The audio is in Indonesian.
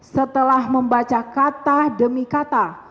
setelah membaca kata demi kata